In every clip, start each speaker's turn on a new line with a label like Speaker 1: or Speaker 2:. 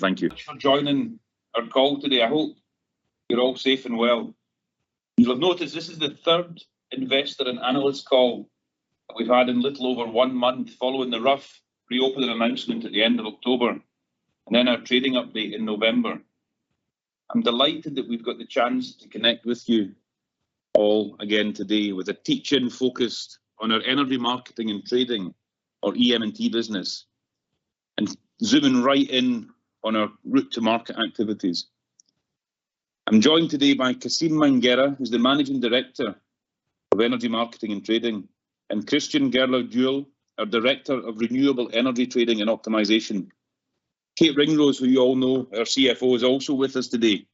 Speaker 1: Thank you for joining our call today. I hope you're all safe and well. You'll have noticed this is the third investor and analyst call that we've had in little over one month following the Rough reopening announcement at the end of October, and then our trading update in November. I'm delighted that we've got the chance to connect with you all again today with a teach-in focused on our Energy Marketing and Trading or EM&T business and zooming right in on our route-to-market activities. I'm joined today by Cassim Mangerah, who's the Managing Director of Energy Marketing and Trading, and Kristian Gjerløv-Juel, our Director of Renewable Energy Trading and Optimization. Kate Ringrose, who you all know, our CFO, is also with us today.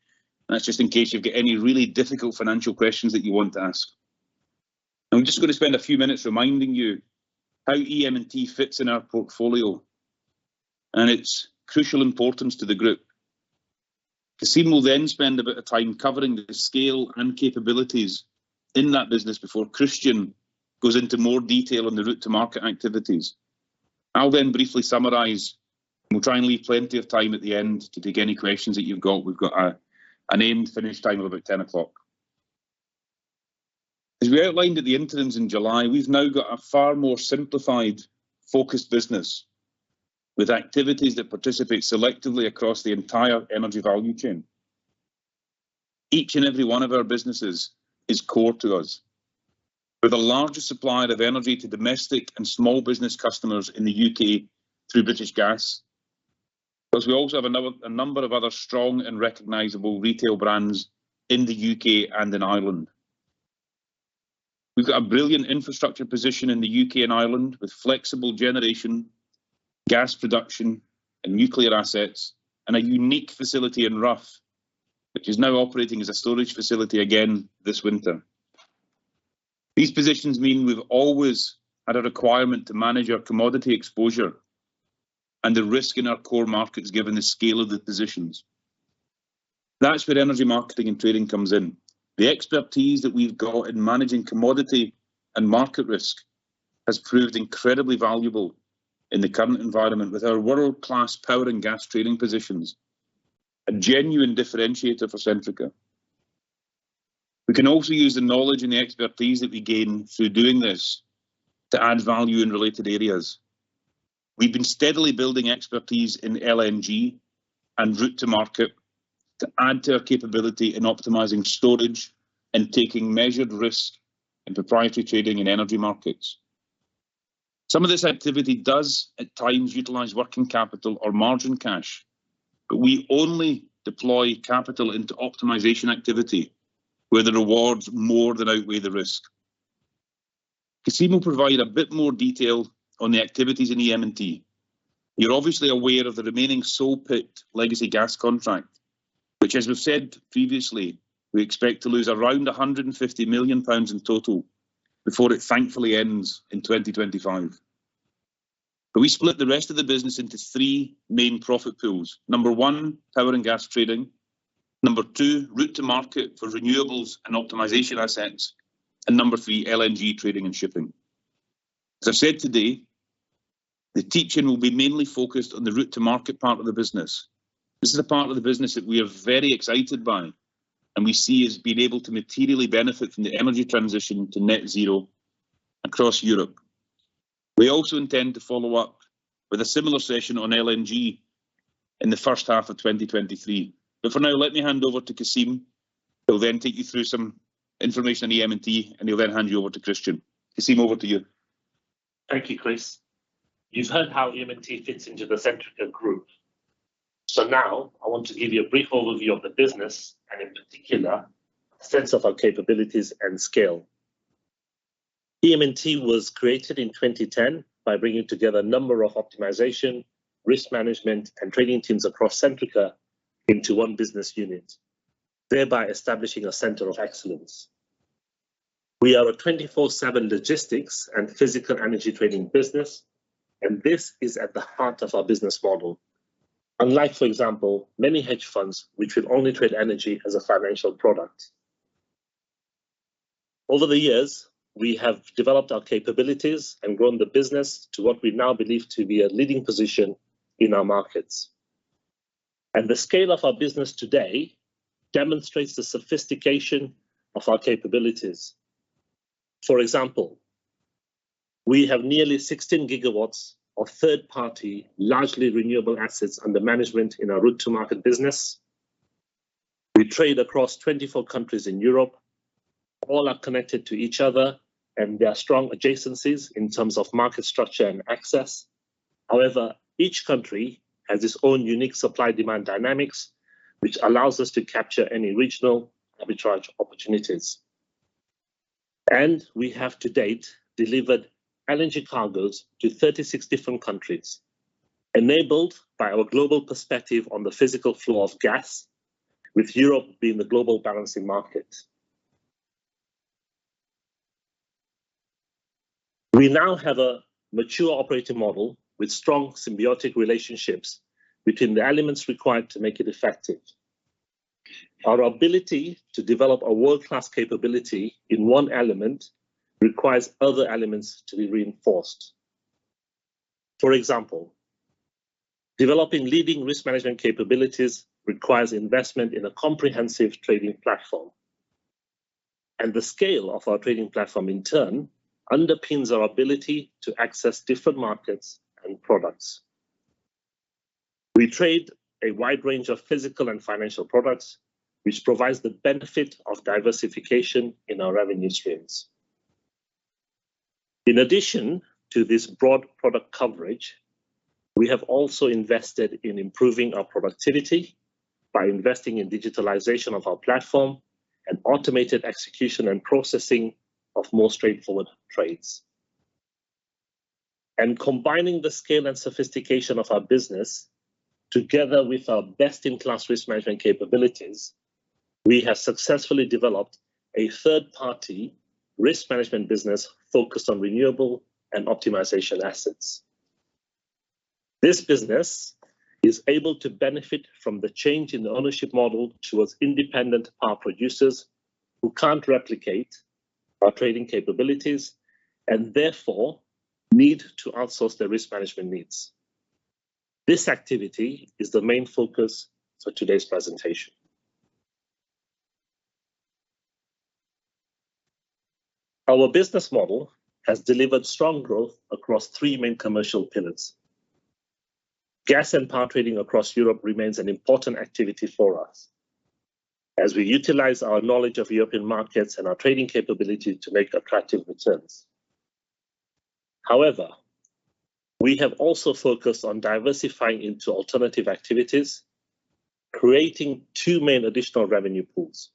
Speaker 1: That's just in case you've got any really difficult financial questions that you want to ask. I'm just gonna spend a few minutes reminding you how EM&T fits in our portfolio and its crucial importance to the group. Cassim will then spend a bit of time covering the scale and capabilities in that business before Kristian goes into more detail on the route-to-market activities. I'll then briefly summarize, and we'll try and leave plenty of time at the end to take any questions that you've got. We've got a named finish time of about 10:00A.M. As we outlined at the interims in July, we've now got a far more simplified, focused business with activities that participate selectively across the entire energy value chain. Each and every one of our businesses is core to us. We're the largest supplier of energy to domestic and small business customers in the U.K. through British Gas, plus we also have a number of other strong and recognizable retail brands in the U.K. and in Ireland. We've got a brilliant infrastructure position in the U.K. and Ireland with flexible generation, gas production and nuclear assets, and a unique facility in Rough, which is now operating as a storage facility again this winter. These positions mean we've always had a requirement to manage our commodity exposure and the risk in our core markets given the scale of the positions. That's where Energy Marketing and Trading comes in. The expertise that we've got in managing commodity and market risk has proved incredibly valuable in the current environment with our world-class power and gas trading positions, a genuine differentiator for Centrica. We can also use the knowledge and the expertise that we gain through doing this to add value in related areas. We've been steadily building expertise in LNG and route-to-market to add to our capability in optimizing storage and taking measured risk and proprietary trading in energy markets. Some of this activity does at times utilize working capital or margin cash, but we only deploy capital into optimization activity where the rewards more than outweigh the risk. Cassim will provide a bit more detail on the activities in EM&T. You're obviously aware of the remaining Salt Pit legacy gas contract, which as we've said previously, we expect to lose around 150 million pounds in total before it thankfully ends in 2025. We split the rest of the business into three main profit pools. Number one, power and gas trading. Number 2, route-to-market for renewables and optimization assets. Number 3, LNG trading and shipping. As I've said today, the teach-in will be mainly focused on the route-to-market part of the business. This is a part of the business that we are very excited by and we see as being able to materially benefit from the energy transition to net zero across Europe. We also intend to follow up with a similar session on LNG in the first half of 2023. For now, let me hand over to Cassim, who'll then take you through some information on EM&T and he'll then hand you over to Kristian. Cassim, over to you.
Speaker 2: Thank you, Chris. You've heard how EM&T fits into the Centrica group. Now I want to give you a brief overview of the business and in particular a sense of our capabilities and scale. EM&T was created in 2010 by bringing together a number of optimization, risk management and trading teams across Centrica into one business unit, thereby establishing a center of excellence. We are a 24/7 logistics and physical energy trading business, and this is at the heart of our business model. Unlike, for example, many hedge funds which would only trade energy as a financial product. Over the years, we have developed our capabilities and grown the business to what we now believe to be a leading position in our markets. The scale of our business today demonstrates the sophistication of our capabilities. For example, we have nearly 16 GW of third-party, largely renewable assets under management in our route-to-market business. We trade across 24 countries in Europe. All are connected to each other. There are strong adjacencies in terms of market structure and access. However, each country has its own unique supply-demand dynamics, which allows us to capture any regional arbitrage opportunities. We have to date delivered LNG cargos to 36 different countries, enabled by our global perspective on the physical flow of gas, with Europe being the global balancing market. We now have a mature operating model with strong symbiotic relationships between the elements required to make it effective. Our ability to develop a world-class capability in one element requires other elements to be reinforced. For example, developing leading risk management capabilities requires investment in a comprehensive trading platform. The scale of our trading platform, in turn, underpins our ability to access different markets and products. We trade a wide range of physical and financial products, which provides the benefit of diversification in our revenue streams. In addition to this broad product coverage, we have also invested in improving our productivity by investing in digitalization of our platform and automated execution and processing of more straightforward trades. Combining the scale and sophistication of our business together with our best-in-class risk management capabilities, we have successfully developed a third-party risk management business focused on renewable and optimization assets. This business is able to benefit from the change in the ownership model towards independent power producers who can't replicate our trading capabilities and therefore need to outsource their risk management needs. This activity is the main focus for today's presentation. Our business model has delivered strong growth across three main commercial pillars. Gas and power trading across Europe remains an important activity for us as we utilize our knowledge of European markets and our trading capability to make attractive returns. We have also focused on diversifying into alternative activities, creating two main additional revenue pools.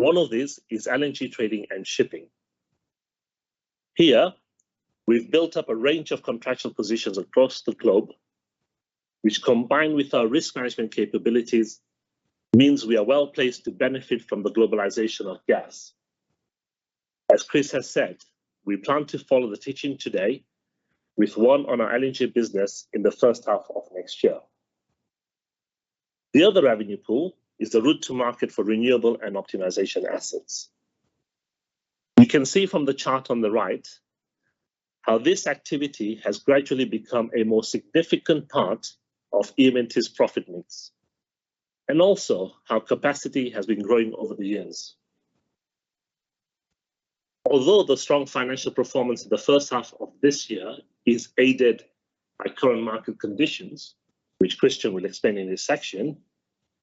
Speaker 2: One of these is LNG trading and shipping. Here, we've built up a range of contractual positions across the globe, which combined with our risk management capabilities, means we are well-placed to benefit from the globalization of gas. As Chris has said, we plan to follow the teaching today with one on our LNG business in the first half of next year. The other revenue pool is the route-to-market for renewable and optimization assets. You can see from the chart on the right how this activity has gradually become a more significant part of EM&T profit mix, and also how capacity has been growing over the years. Although the strong financial performance in the first half of this year is aided by current market conditions, which Kristian will explain in this section,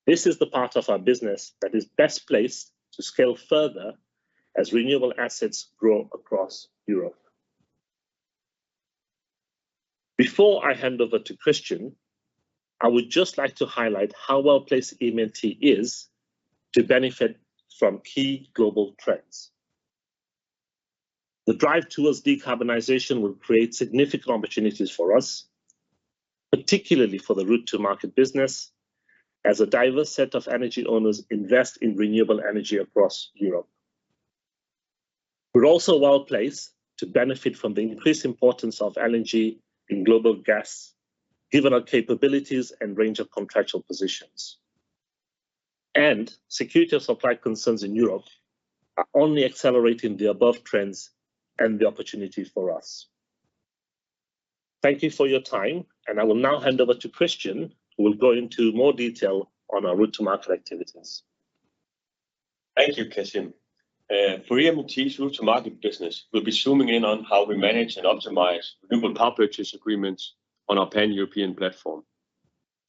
Speaker 2: this is the part of our business that is best placed to scale further as renewable assets grow across Europe. Before I hand over to Kristian, I would just like to highlight how well-placed EM&T is to benefit from key global trends. The drive towards decarbonization will create significant opportunities for us, particularly for the route-to-market business, as a diverse set of energy owners invest in renewable energy across Europe. We're also well-placed to benefit from the increased importance of LNG in global gas, given our capabilities and range of contractual positions. Security of supply concerns in Europe are only accelerating the above trends and the opportunities for us. Thank you for your time, and I will now hand over to Kristian, who will go into more detail on our route-to-market activities.
Speaker 3: Thank you, Cassim. For EM&T's route-to-market business, we'll be zooming in on how we manage and optimize renewable Power Purchase Agreements on our Pan-European platform.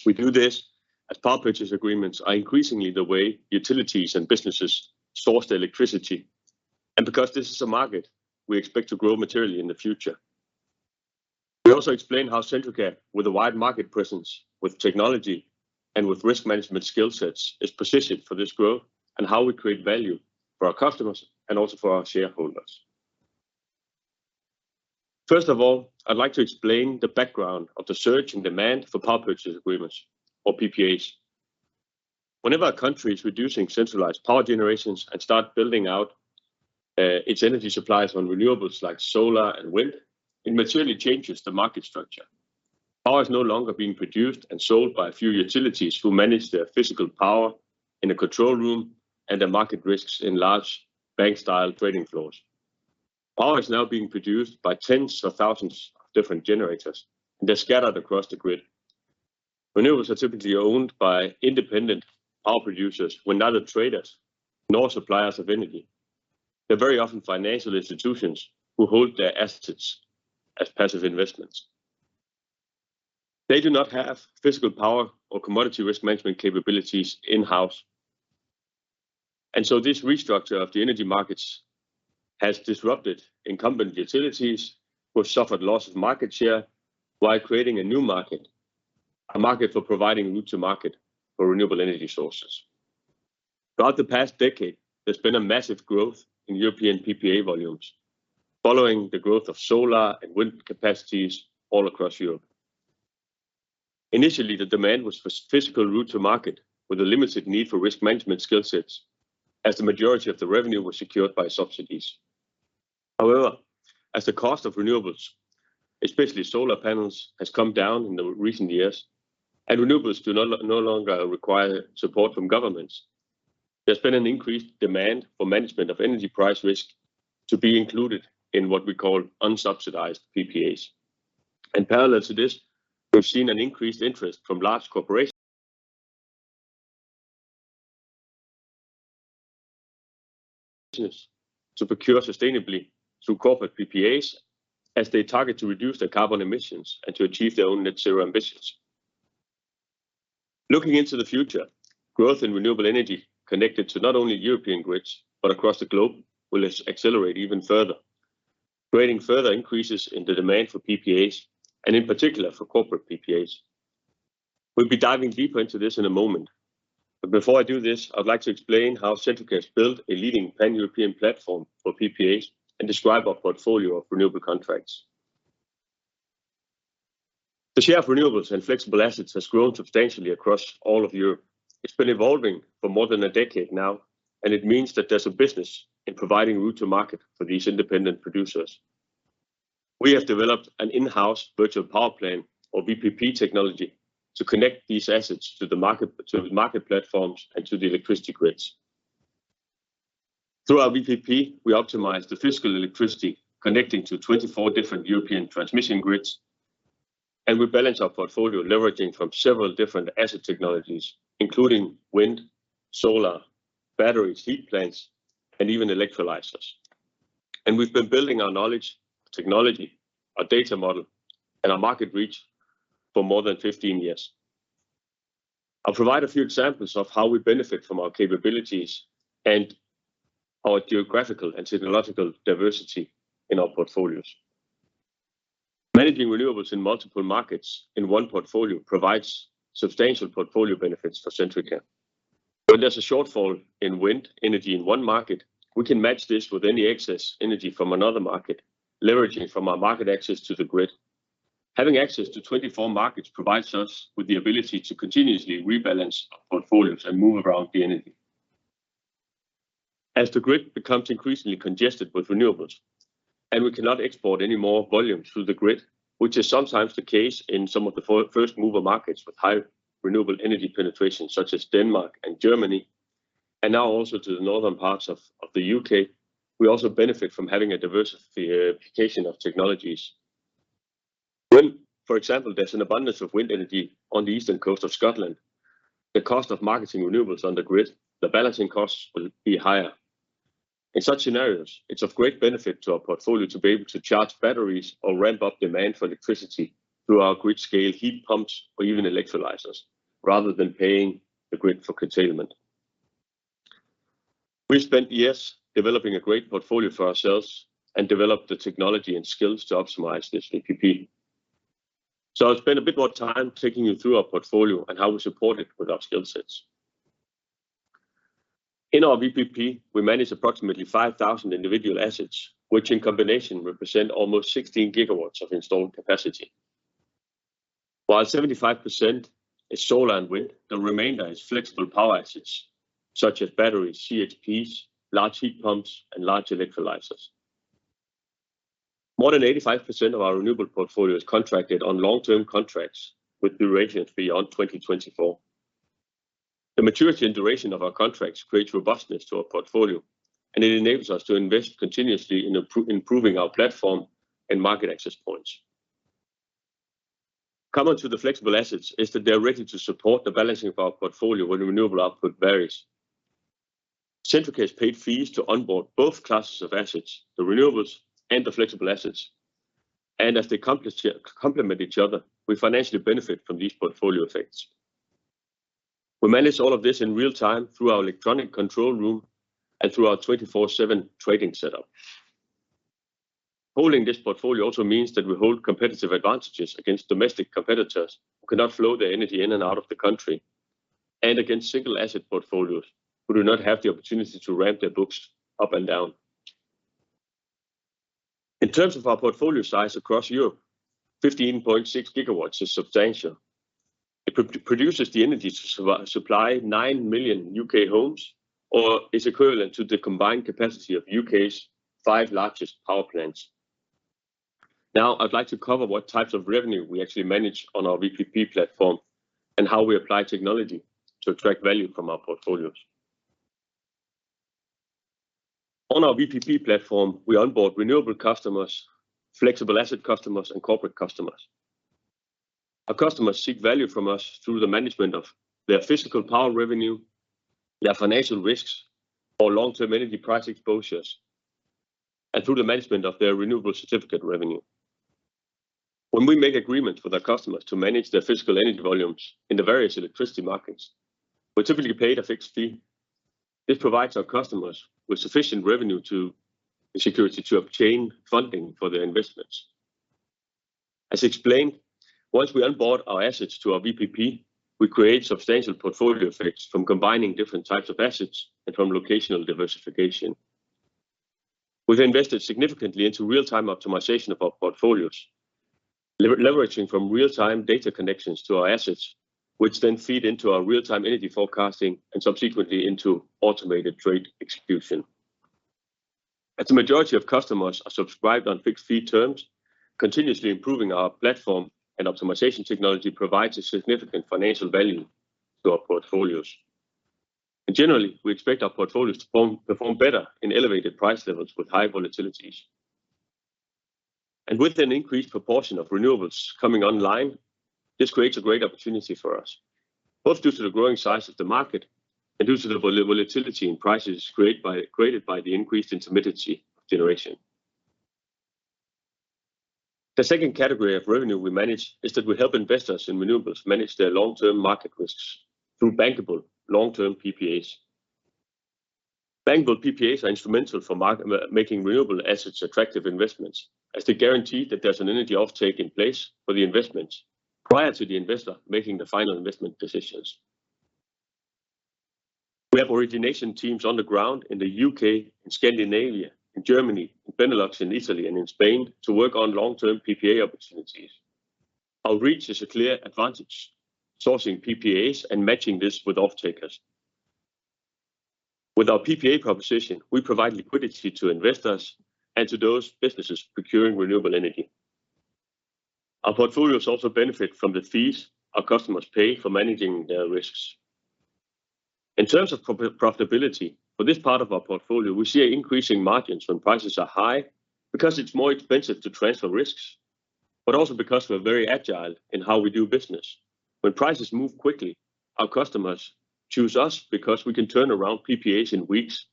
Speaker 3: We do this as Power Purchase Agreements are increasingly the way utilities and businesses source their electricity, because this is a market we expect to grow materially in the future. We also explain how Centrica with a wide market presence with technology and with risk management skill sets is positioned for this growth and how we create value for our customers and also for our shareholders. First of all, I'd like to explain the background of the surge in demand for Power Purchase Agreements or PPAs. Whenever a country is reducing centralized power generations and start building out its energy supplies on renewables like solar and wind, it materially changes the market structure. Power is no longer being produced and sold by a few utilities who manage their physical power in a control room and the market risks in large bank-style trading floors. Power is now being produced by tens of thousands of different generators, and they're scattered across the grid. Renewables are typically owned by independent power producers who are neither traders nor suppliers of energy. They're very often financial institutions who hold their assets as passive investments. They do not have physical power or commodity risk management capabilities in-house. This restructure of the energy markets has disrupted incumbent utilities, who have suffered loss of market share while creating a new market, a market for providing route-to-market for renewable energy sources. Throughout the past decade, there's been a massive growth in European PPA volumes following the growth of solar and wind capacities all across Europe. Initially, the demand was for physical route-to-market with a limited need for risk management skill sets, as the majority of the revenue was secured by subsidies. However, as the cost of renewables, especially solar panels, has come down in the recent years and renewables do no longer require support from governments, there's been an increased demand for management of energy price risk to be included in what we call unsubsidized PPAs. Parallel to this, we've seen an increased interest from large corporations to procure sustainably through corporate PPAs as they target to reduce their carbon emissions and to achieve their own net zero ambitions. Looking into the future, growth in renewable energy connected to not only European grids, but across the globe, will accelerate even further, creating further increases in the demand for PPAs, and in particular, for corporate PPAs. We'll be diving deeper into this in a moment. Before I do this, I'd like to explain how Centrica has built a leading Pan-European platform for PPAs and describe our portfolio of renewable contracts. The share of renewables and flexible assets has grown substantially across all of Europe. It's been evolving for more than a decade now, and it means that there's a business in providing route-to-market for these independent producers. We have developed an in-house virtual power plant or VPP technology to connect these assets to the market, to market platforms, and to the electricity grids. Through our VPP, we optimize the physical electricity connecting to 24 different European transmission grids, and we balance our portfolio leveraging from several different asset technologies, including wind, solar, batteries, heat plants, and even electrolyzers. We've been building our knowledge, technology, our data model, and our market reach for more than 15 years. I'll provide a few examples of how we benefit from our capabilities and our geographical and technological diversity in our portfolios. Managing renewables in multiple markets in one portfolio provides substantial portfolio benefits for Centrica. When there's a shortfall in wind energy in one market, we can match this with any excess energy from another market, leveraging from our market access to the grid. Having access to 24 markets provides us with the ability to continuously rebalance our portfolios and move around the energy. As the grid becomes increasingly congested with renewables, and we cannot export any more volume through the grid, which is sometimes the case in some of the first mover markets with high renewable energy penetration such as Denmark and Germany, and now also to the northern parts of the U.K., we also benefit from having a diverse application of technologies. When, for example, there's an abundance of wind energy on the eastern coast of Scotland, the cost of marketing renewables on the grid, the balancing costs will be higher. In such scenarios, it's of great benefit to our portfolio to be able to charge batteries or ramp up demand for electricity through our grid-scale heat pumps or even electrolyzers, rather than paying the grid for curtailment. We spent years developing a great portfolio for ourselves and developed the technology and skills to optimize this VPP. I'll spend a bit more time taking you through our portfolio and how we support it with our skill sets. In our VPP, we manage approximately 5,000 individual assets, which in combination represent almost 16 GW of installed capacity. While 75% is solar and wind, the remainder is flexible power assets, such as batteries, CHPs, large heat pumps, and large electrolyzers. More than 85% of our renewable portfolio is contracted on long-term contracts with durations beyond 2024. The maturity and duration of our contracts creates robustness to our portfolio, and it enables us to invest continuously in improving our platform and market access points. Coming to the flexible assets is that they are ready to support the balancing of our portfolio when renewable output varies. Centrica has paid fees to onboard both classes of assets, the renewables and the flexible assets. As they complement each other, we financially benefit from these portfolio effects. We manage all of this in real time through our electronic control room and through our 24/7 trading setup. Holding this portfolio also means that we hold competitive advantages against domestic competitors who cannot flow their energy in and out of the country, and against single asset portfolios who do not have the opportunity to ramp their books up and down. In terms of our portfolio size across Europe, 15.6 GW is substantial. It produces the energy to supply 9 million U.K. homes or is equivalent to the combined capacity of U.K.'s five largest power plants. I'd like to cover what types of revenue we actually manage on our VPP platform and how we apply technology to extract value from our portfolios. On our VPP platform, we onboard renewable customers, flexible asset customers, and corporate customers. Our customers seek value from us through the management of their physical power revenue, their financial risks or long-term energy price exposures, and through the management of their renewable certificate revenue. When we make agreements with our customers to manage their physical energy volumes in the various electricity markets, we're typically paid a fixed fee. This provides our customers with sufficient revenue to the security to obtain funding for their investments. As explained, once we onboard our assets to our VPP, we create substantial portfolio effects from combining different types of assets and from locational diversification. We've invested significantly into real-time optimization of our portfolios. Leveraging from real-time data connections to our assets, which then feed into our real-time energy forecasting and subsequently into automated trade execution. As the majority of customers are subscribed on fixed-fee terms, continuously improving our platform and optimization technology provides a significant financial value to our portfolios. Generally, we expect our portfolios to perform better in elevated price levels with high volatilities. With an increased proportion of renewables coming online, this creates a great opportunity for us, both due to the growing size of the market and due to the volatility in prices created by the increased intermittency of generation. The second category of revenue we manage is that we help investors in renewables manage their long-term market risks through bankable long-term PPAs. Bankable PPAs are instrumental for making renewable assets attractive investments, as they guarantee that there's an energy offtake in place for the investments prior to the investor making the final investment decisions. We have origination teams on the ground in the U.K. and Scandinavia and Germany and Benelux and Italy and in Spain to work on long-term PPA opportunities. Our reach is a clear advantage, sourcing PPAs and matching this with off-takers. With our PPA proposition, we provide liquidity to investors and to those businesses procuring renewable energy. Our portfolios also benefit from the fees our customers pay for managing their risks. In terms of pro-profitability, for this part of our portfolio, we see increasing margins when prices are high because it's more expensive to transfer risks, but also because we're very agile in how we do business. When prices move quickly, our customers choose us because we can turn around PPAs in weeks,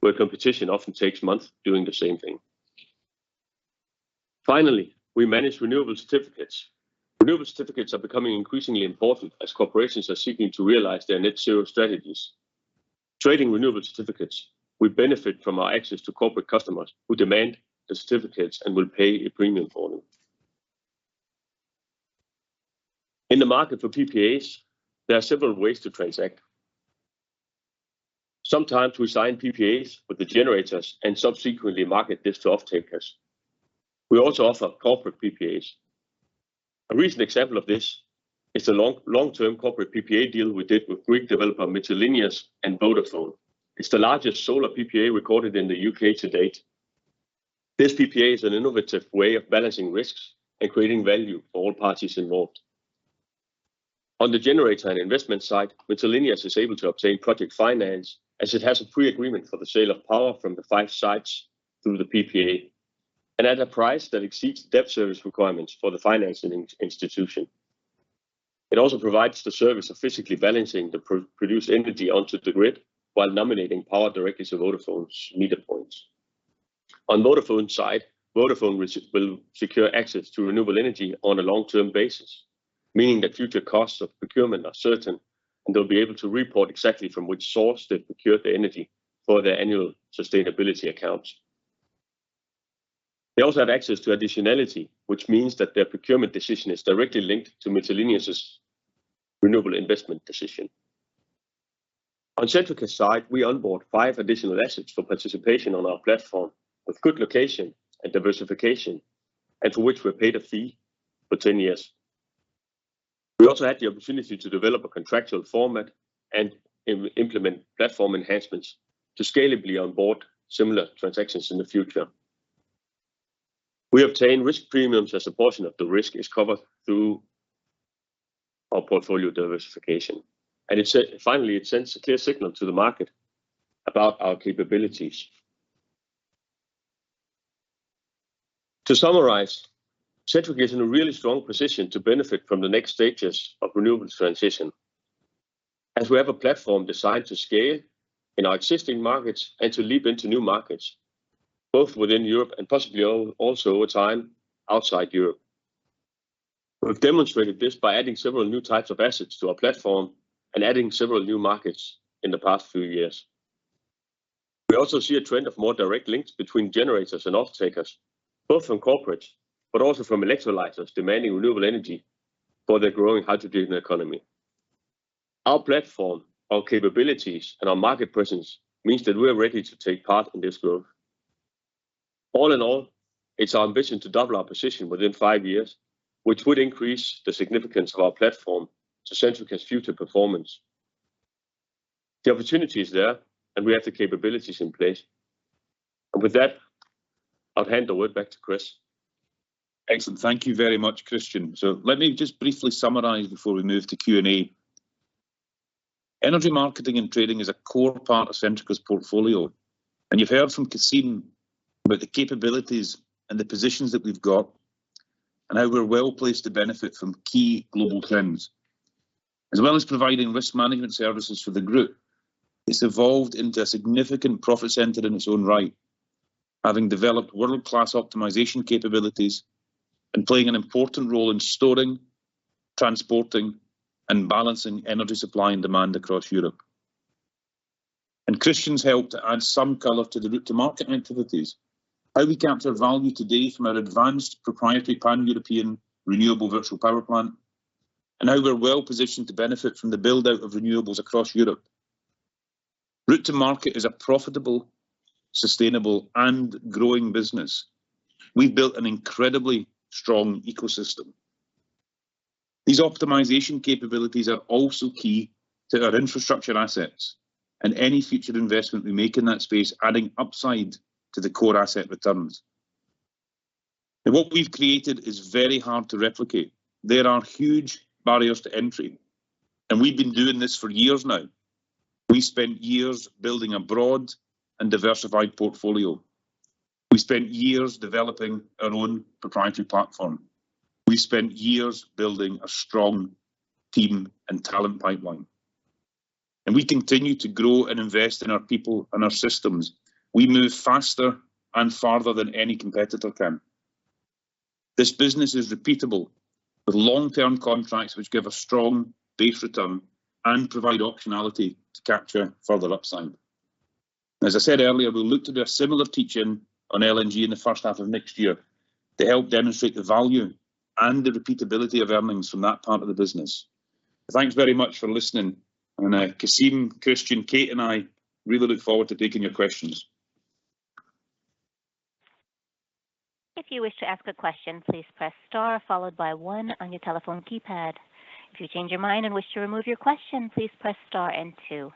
Speaker 3: where competition often takes months doing the same thing. We manage renewable certificates. Renewable certificates are becoming increasingly important as corporations are seeking to realize their net zero strategies. Trading renewable certificates will benefit from our access to corporate customers who demand the certificates and will pay a premium for them. In the market for PPAs, there are several ways to transact. Sometimes we sign PPAs with the generators and subsequently market this to off-takers. We also offer corporate PPAs. A recent example of this is a long-term corporate PPA deal we did with Greek developer MYTILINEOS and Vodafone. It's the largest solar PPA recorded in the U.K. to date. This PPA is an innovative way of balancing risks and creating value for all parties involved. On the generator and investment side, MYTILINEOS is able to obtain project finance, as it has a pre-agreement for the sale of power from the five sites through the PPA and at a price that exceeds debt service requirements for the financing in-institution. It also provides the service of physically balancing the pro-produced energy onto the grid while nominating power directly to Vodafone's meter points. On Vodafone's side, Vodafone will secure access to renewable energy on a long-term basis, meaning the future costs of procurement are certain, and they'll be able to report exactly from which source they've procured the energy for their annual sustainability accounts. They also have access to additionality, which means that their procurement decision is directly linked to MYTILINEOS' renewable investment decision. On Centrica's side, we onboard five additional assets for participation on our platform with good location and diversification, and for which we're paid a fee for 10 years. We also had the opportunity to develop a contractual format and implement platform enhancements to scalably onboard similar transactions in the future. We obtain risk premiums as a portion of the risk is covered through our portfolio diversification. Finally, it sends a clear signal to the market about our capabilities. To summarize, Centrica is in a really strong position to benefit from the next stages of renewables transition, as we have a platform designed to scale in our existing markets and to leap into new markets, both within Europe and possibly also over time, outside Europe. We've demonstrated this by adding several new types of assets to our platform and adding several new markets in the past few years. We also see a trend of more direct links between generators and off-takers, both from corporates, but also from electrolyzers demanding renewable energy for their growing hydrogen economy. Our platform, our capabilities, and our market presence means that we are ready to take part in this growth. All in all, it's our ambition to double our position within five years, which would increase the significance of our platform to Centrica's future performance. The opportunity is there, and we have the capabilities in place. With that, I'll hand the word back to Chris.
Speaker 1: Excellent. Thank you very much, Kristian. Let me just briefly summarize before we move to Q&A. Energy Marketing and Trading is a core part of Centrica's portfolio, and you've heard from Cassim about the capabilities and the positions that we've got and how we're well-placed to benefit from key global trends. As well as providing risk management services for the group, it's evolved into a significant profit center in its own right, having developed world-class optimization capabilities and playing an important role in storing, transporting, and balancing energy supply and demand across Europe. Kristian's helped to add some color to the route-to-market activities, how we capture value today from our advanced proprietary Pan-European renewable virtual power plant, and how we're well-positioned to benefit from the build-out of renewables across Europe. Route-to-market is a profitable, sustainable and growing business. We've built an incredibly strong ecosystem. These optimization capabilities are also key to our infrastructure assets and any future investment we make in that space adding upside to the core asset returns. What we've created is very hard to replicate. There are huge barriers to entry, and we've been doing this for years now. We spent years building a broad and diversified portfolio. We spent years developing our own proprietary platform. We spent years building a strong team and talent pipeline. We continue to grow and invest in our people and our systems. We move faster and farther than any competitor can. This business is repeatable with long-term contracts which give a strong base return and provide optionality to capture further upside. As I said earlier, we look to do a similar teach-in on LNG in the first half of next year to help demonstrate the value and the repeatability of earnings from that part of the business. Thanks very much for listening and Cassim, Kristian, Kate and I really look forward to taking your questions.
Speaker 4: If you wish to ask a question, please press star followed by one on your telephone keypad. If you change your mind and wish to remove your question, please press star and two.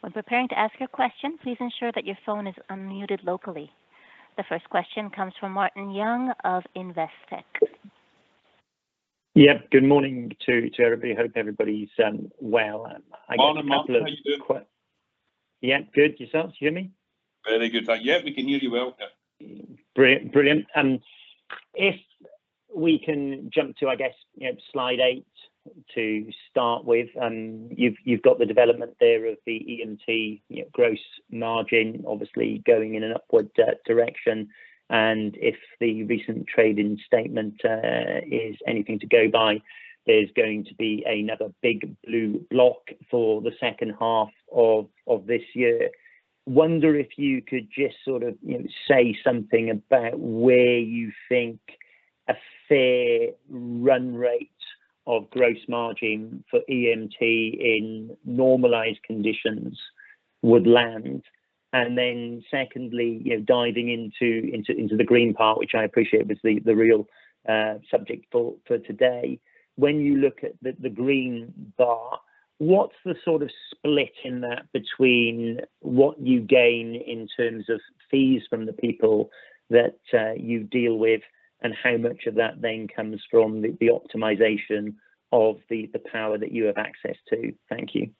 Speaker 4: When preparing to ask your question, please ensure that your phone is unmuted locally. The first question comes from Martin Young of Investec.
Speaker 5: Yep. Good morning to everybody. Hope everybody is well.
Speaker 1: Morning, Martin. How are you doing?
Speaker 5: Yeah, good. Yourself? Can you hear me?
Speaker 1: Very good. Yeah, we can hear you well. Yeah.
Speaker 5: Brilliant. If we can jump to, I guess, you know, slide 8 to start with. You've got the development there of the EMT, you know, gross margin obviously going in an upward direction. If the recent trading statement is anything to go by, there's going to be another big blue block for the second half of this year. Wonder if you could just sort of, you know, say something about where you think a fair run rate of gross margin for EMT in normalized conditions would land. Secondly, you know, diving into the green part, which I appreciate was the real subject for today. When you look at the green bar, what's the sort of split in that between what you gain in terms of fees from the people that you deal with and how much of that then comes from the optimization of the power that you have access to? Thank you.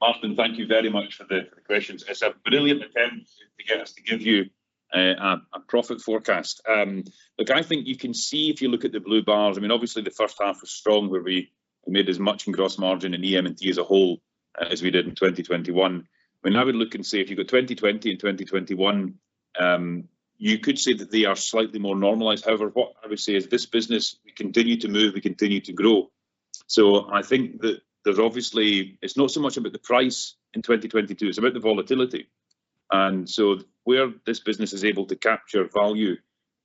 Speaker 1: Martin, thank you very much for the questions. It's a brilliant attempt to get us to give you a profit forecast. Look, I think you can see if you look at the blue bars, I mean, obviously the first half was strong where we made as much in gross margin in EM&T as a whole as we did in 2021. I mean, I would look and say if you go 2020 and 2021, you could say that they are slightly more normalized. However, what I would say is this business, we continue to move, we continue to grow. I think that there's obviously it's not so much about the price in 2022, it's about the volatility. Where this business is able to capture value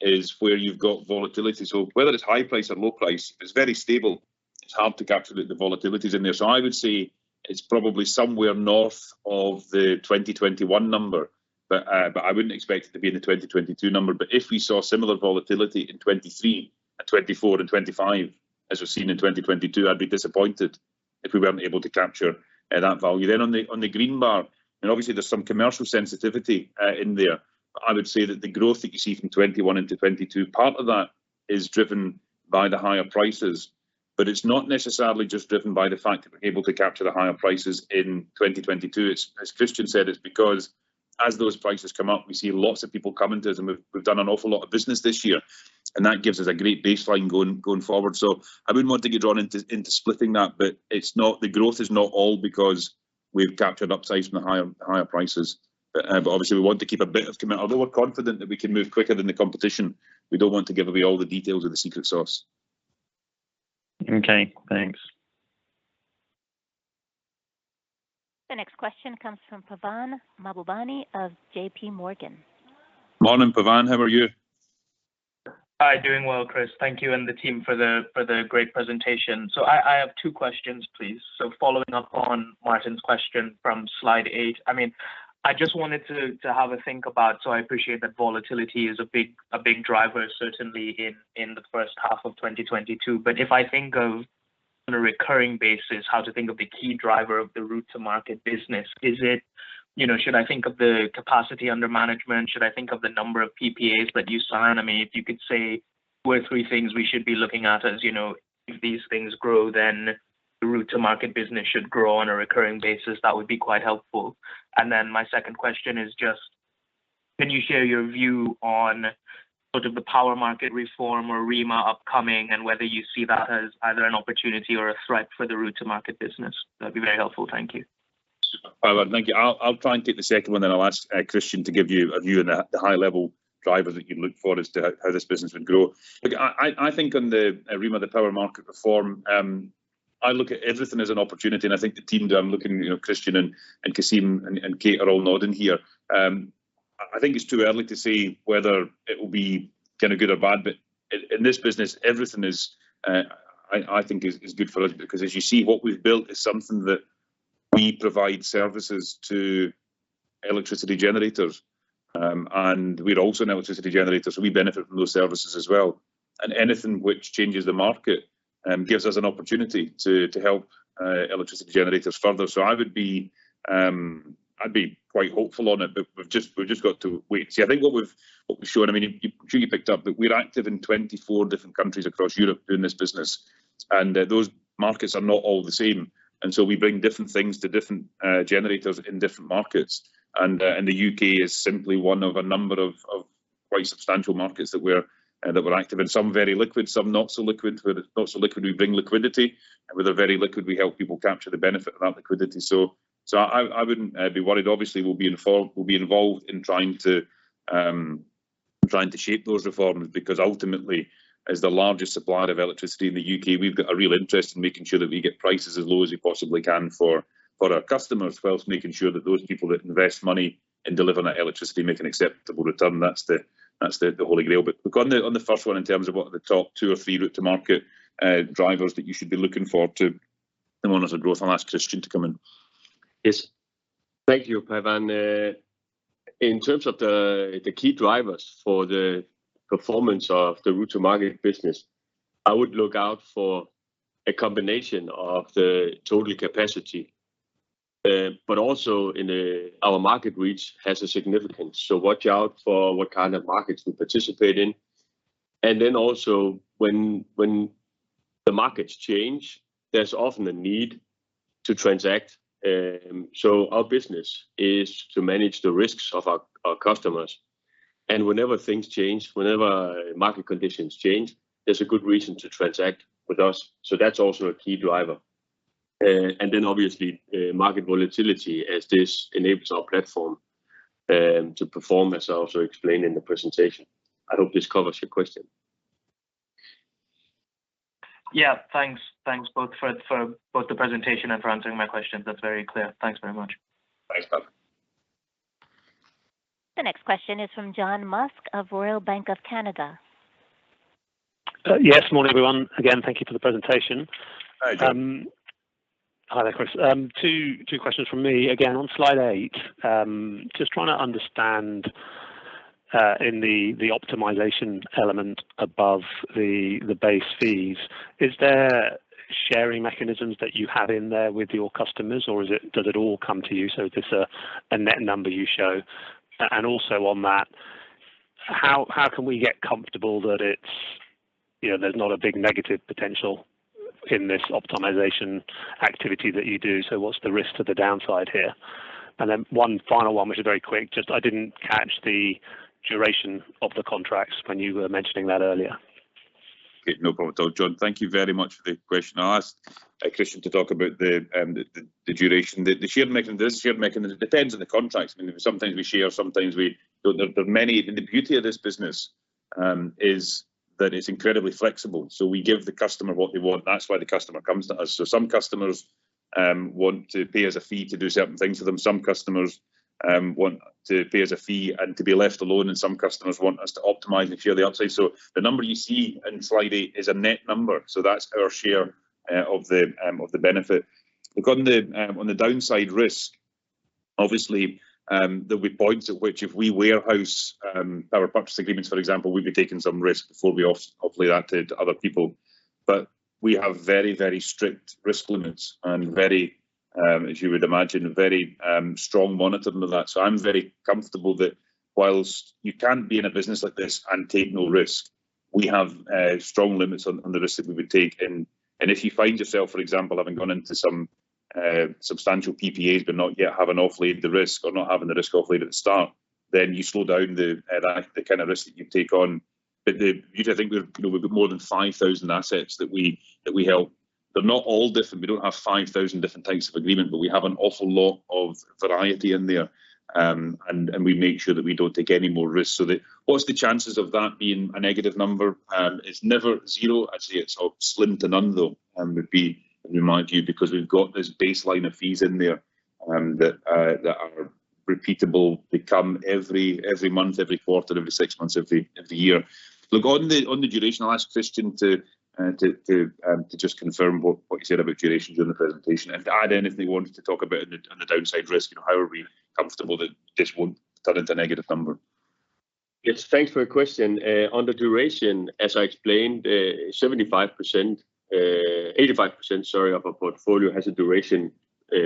Speaker 1: is where you've got volatility. Whether it's high price or low price, it's very stable. It's hard to capture the volatilities in there. I would say it's probably somewhere north of the 2021 number, but I wouldn't expect it to be in the 2022 number. If we saw similar volatility in 2023 and 2024 and 2025 as we've seen in 2022, I'd be disappointed if we weren't able to capture, that value. On the, on the green bar, and obviously there's some commercial sensitivity, in there, but I would say that the growth that you see from 2021 into 2022, part of that is driven by the higher prices. It's not necessarily just driven by the fact that we're able to capture the higher prices in 2022. It's as Kristian said, it's because as those prices come up, we see lots of people coming to us and we've done an awful lot of business this year and that gives us a great baseline going forward. I wouldn't want to get drawn into splitting that. It's not, the growth is not all because we've captured upsides from the higher prices. Obviously we want to keep a bit of although we're confident that we can move quicker than the competition, we don't want to give away all the details of the secret sauce.
Speaker 5: Okay, thanks.
Speaker 4: The next question comes from Pavan Mahbubani of JPMorgan.
Speaker 1: Morning, Pavan, how are you?
Speaker 6: Hi. Doing well, Chris. Thank you and the team for the great presentation. I have two questions, please. Following up on Martin's question from slide eight, I mean, I just wanted to have a think about so I appreciate that volatility is a big driver certainly in the first half of 2022. If I think of on a recurring basis how to think of the key driver of the route-to-market business, is it, you know, should I think of the capacity under management? Should I think of the number of PPAs that you sign? I mean, if you could say two or three things we should be looking at, as you know, if these things grow, then the route-to-market business should grow on a recurring basis, that would be quite helpful. My second question is just can you share your view on sort of the power market reform or REMA upcoming and whether you see that as either an opportunity or a threat for the route-to-market business? That'd be very helpful. Thank you.
Speaker 1: Super. Pavan, thank you. I'll try and take the second one then I'll ask Kristian to give you a view on the high level drivers that you'd look for as to how this business would grow. I think on the REMA, the power market reform, I look at everything as an opportunity. I think the team do. I'm looking, you know, Kristian and Cassim and Kate are all nodding here. I think it's too early to say whether it will be kinda good or bad. In this business, everything is, I think, good for us because as you see, what we've built is something that we provide services to electricity generators. We're also an electricity generator, so we benefit from those services as well, and anything which changes the market, gives us an opportunity to help electricity generators further. I would be, I'd be quite hopeful on it, but we've just got to wait and see. I think what we've shown, I mean, you truly picked up that we're active in 24 different countries across Europe doing this business, and those markets are not all the same. We bring different things to different generators in different markets and the U.K. is simply one of a number of quite substantial markets that we're that we're active in. Some very liquid, some not so liquid. Where they're not so liquid, we bring liquidity, and where they're very liquid, we help people capture the benefit of that liquidity. I wouldn't be worried. Obviously, we'll be involved in trying to shape those reforms because ultimately, as the largest supplier of electricity in the U.K., we've got a real interest in making sure that we get prices as low as we possibly can for our customers, whilst making sure that those people that invest money in delivering that electricity make an acceptable return. That's the Holy Grail. Look, on the first one, in terms of what are the top two or three route-to-market drivers that you should be looking for in order for growth, I'll ask Kristian to come in.
Speaker 3: Yes. Thank you, Pavan. In terms of the key drivers for the performance of the route-to-market business, I would look out for a combination of the total capacity, but also in our market reach has a significance. Watch out for what kind of markets we participate in. When the markets change, there's often a need to transact. Our business is to manage the risks of our customers, and whenever things change, whenever market conditions change, there's a good reason to transact with us. That's also a key driver. Obviously, market volatility as this enables our platform to perform, as I also explained in the presentation. I hope this covers your question.
Speaker 6: Yeah. Thanks. Thanks both for both the presentation and for answering my questions. That's very clear. Thanks very much.
Speaker 3: Thanks, Pavan.
Speaker 4: The next question is from John Musk of Royal Bank of Canada.
Speaker 7: Yes. Morning, everyone. Again, thank you for the presentation.
Speaker 1: Hi, John.
Speaker 7: Hi there, Chris. two questions from me. Again, on slide 8, just trying to understand in the optimization element above the base fees, is there sharing mechanisms that you have in there with your customers, or does it all come to you? Is this a net number you show? Also on that, how can we get comfortable that it's, you know, there's not a big negative potential in this optimization activity that you do? What's the risk to the downside here? One final one, which is very quick, just I didn't catch the duration of the contracts when you were mentioning that earlier.
Speaker 1: Okay, no problem at all, John. Thank you very much for the question. I'll ask Kristian to talk about the duration. The shared mechanism, it depends on the contracts. I mean, sometimes we share, sometimes we don't. There are many... The beauty of this business is that it's incredibly flexible. We give the customer what they want. That's why the customer comes to us. Some customers want to pay us a fee to do certain things for them. Some customers want to pay us a fee and to be left alone, and some customers want us to optimize and share the upside. The number you see in slide 8 is a net number. That's our share of the benefit. Look, on the downside risk, obviously, there'll be points at which if we warehouse our purchase agreements, for example, we'd be taking some risk before we offload that to other people. We have very, very strict risk limits and very, as you would imagine, very strong monitoring of that. I'm very comfortable that whilst you can be in a business like this and take no risk, we have strong limits on the risk that we would take. If you find yourself, for example, having gone into some substantial PPAs, but not yet having offloaded the risk or not having the risk offloaded at the start, then you slow down the kind of risk that you take on. The... I think we've, you know, we've got more than 5,000 assets that we, that we help. They're not all different. We don't have 5,000 different types of agreement, but we have an awful lot of variety in there. We make sure that we don't take any more risks. What's the chances of that being a negative number? It's never 0. I'd say it's slim to none, though, would be my view, because we've got this baseline of fees in there that are repeatable. They come every month, every quarter, every six months, every year. Look, on the duration, I'll ask Kristian to just confirm what he said about duration during the presentation and to add anything he wanted to talk about on the downside risk and how are we comfortable that this won't turn into a negative number?
Speaker 3: Yes. Thanks for your question. On the duration, as I explained, 75%, 85%, sorry, of our portfolio has a duration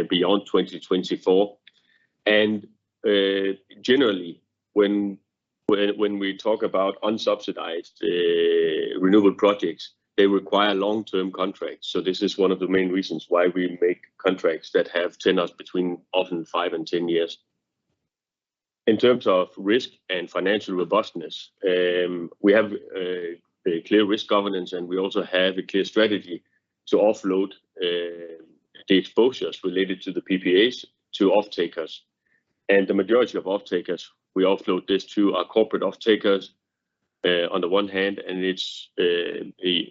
Speaker 3: beyond 2024. Generally, when we talk about unsubsidized renewable projects, they require long-term contracts. This is one of the main reasons why we make contracts that have tenures between often five and 10 years. In terms of risk and financial robustness, we have a clear risk governance, and we also have a clear strategy to offload the exposures related to the PPAs to off-takers. The majority of off-takers, we offload this to our corporate off-takers. On the one hand, it's the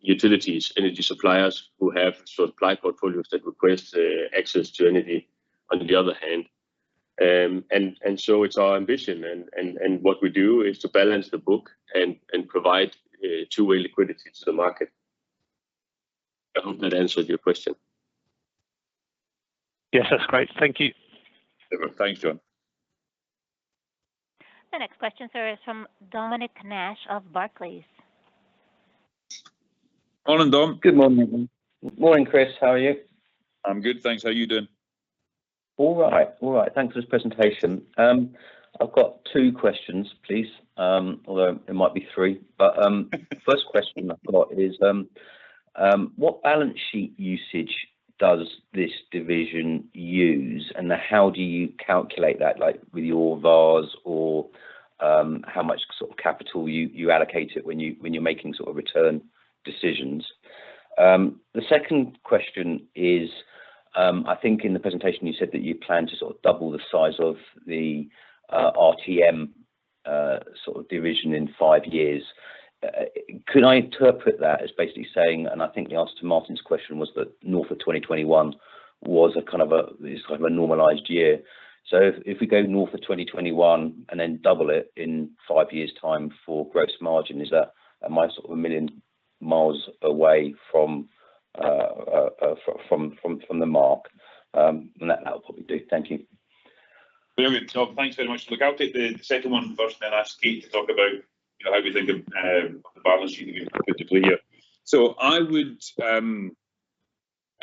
Speaker 3: utilities, energy suppliers who have supply portfolios that request access to energy on the other hand. It's our ambition and what we do is to balance the book and provide a two-way liquidity to the market. I hope that answered your question.
Speaker 7: Yes, that's great. Thank you.
Speaker 1: No problem. Thanks, John.
Speaker 4: The next question, sir, is from Dominic Nash of Barclays.
Speaker 1: Morning, Dom.
Speaker 8: Good morning. Morning, Chris. How are you?
Speaker 1: I'm good, thanks. How you doing?
Speaker 8: All right. All right. Thanks for this presentation. I've got two questions please, although it might be three. First question I've got is, what balance sheet usage does this division use and how do you calculate that? Like with your VaRs or, how much sort of capital you allocate it when you're making sort of return decisions. The second question is, I think in the presentation you said that you plan to sort of double the size of the RTM sort of division in 5 years. Could I interpret that as basically saying, I think the answer to Martin's question was that north of 2021, it's kind of a normalized year. if we go north of 2021 and then double it in five years' time for gross margin, is that, am I sort of a million miles away from the mark? That will probably do. Thank you.
Speaker 1: Very good, Dom. Thanks very much. I'll take the second one first, then ask Kate to talk about how we think of the balance sheet can be put into play here. I would,